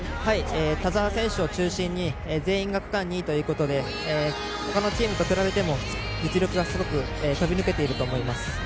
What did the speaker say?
田澤選手を中心に全員が区間２位ということで他のチームと比べても実力がとび抜けていると思います。